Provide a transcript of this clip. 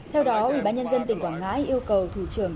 theo đó ubnd tỉnh quảng ngãi yêu cầu thủ trưởng